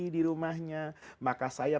di rumahnya maka saya